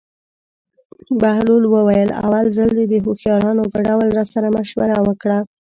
بهلول وویل: اول ځل دې د هوښیارانو په ډول راسره مشوره وکړه.